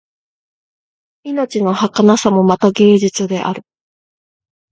命のはかなさもまた芸術である